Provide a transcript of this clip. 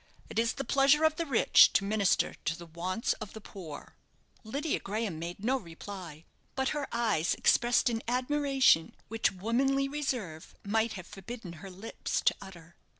It is the pleasure of the rich to minister to the wants of the poor." Lydia Graham made no reply; but her eyes expressed an admiration which womanly reserve might have forbidden her lips to utter.